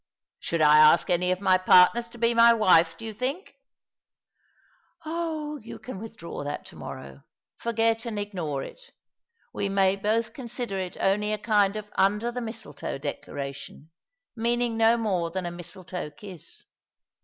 " Should I ask any of my partners to bo my wife, do you think?" " Oh, you can withdraw that to morrow — forget and ignore it. We may both consider it only a kind of under the mistletoe declaration, meaning no more than a mistletoe kiss.